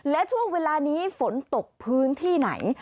และช่วงเวลานี้ฝนตกพื้นที่ไหน